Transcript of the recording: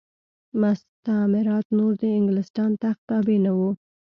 مستعمرات نور د انګلستان تخت تابع نه وو.